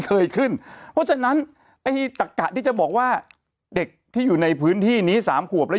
เคยขึ้นเพราะฉะนั้นไอ้ตักกะที่จะบอกว่าเด็กที่อยู่ในพื้นที่นี้๓ขวบแล้ว